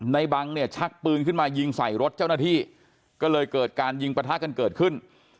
บังเนี่ยชักปืนขึ้นมายิงใส่รถเจ้าหน้าที่ก็เลยเกิดการยิงประทะกันเกิดขึ้น